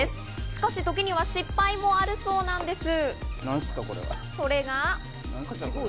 しかし、時には失敗もあるそうなんです。